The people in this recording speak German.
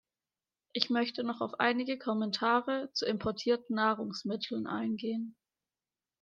Ich möchte noch auf einige Kommentare zu importierten Nahrungsmitteln eingehen.